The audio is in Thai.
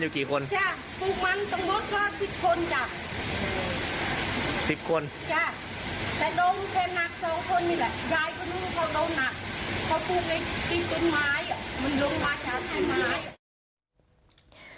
รายก็ลงพอลงนักเพราะฟ้าฝนมันลงมาใต้ต้นไม้